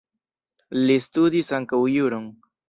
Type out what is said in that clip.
Li studis ankaŭ juron.